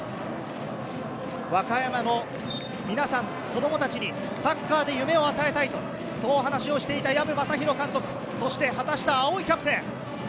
和歌山の皆さん、子供たちにサッカーで夢を与えたいと、そう話をしていた藪真啓監督、そして畑下葵キャプテン。